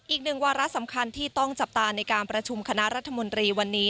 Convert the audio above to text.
อีกหนึ่งวาระสำคัญที่ต้องจับตาในการประชุมคณะรัฐมนตรีวันนี้